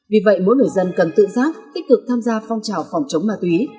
vì vậy mỗi người dân cần tự giác tích cực tham gia phong trào phòng chống ma túy